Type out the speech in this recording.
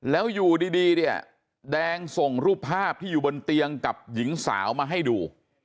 แล้วอยู่ดีเนี่ยแดงส่งรูปภาพที่อยู่บนเตียงกับหญิงสาวมาให้ดู